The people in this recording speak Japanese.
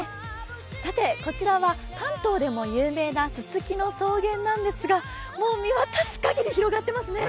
こちらは関東でも有名なすすきの草原なんですが、もう見渡すかぎり広がっていますね。